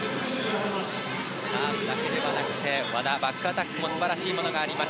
サーブだけではなくて和田はバックアタックも素晴らしいものがあります。